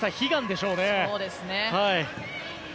そうですね。